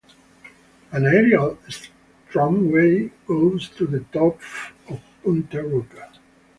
An aerial tramway goes to the top of Punta Rocca.